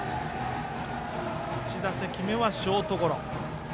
１打席目はショートゴロ。